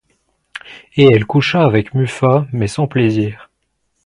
Et elle coucha avec Muffat, mais sans plaisir.